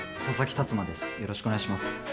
佐々木辰馬です。